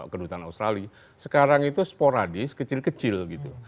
kedutaan australia sekarang itu sporadis kecil kecil gitu